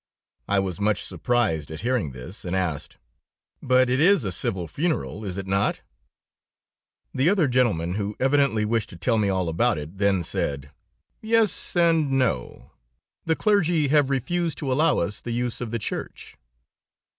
I was much surprised at hearing this, and asked: "But it is a civil funeral, is it not?" The other gentleman, who evidently wished to tell me all about it, then said: "Yes and no. The clergy have refused to allow us the use of the church."